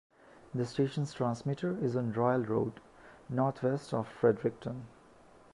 The station's transmitter is on Royal Road, northwest of Fredericton.